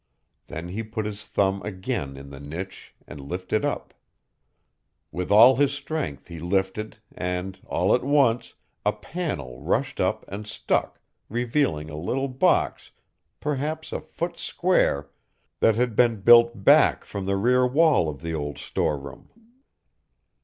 Then he put his thumb again in the niche and lifted up. With all his strength he lifted and, all at once, a panel rushed up and stuck, revealing a little box perhaps a foot square that had been built back from the rear wall of the old storeroom.